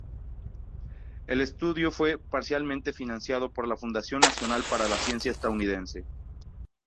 El estudio fue parcialmente financiado por la Fundación Nacional para la Ciencia estadounidense.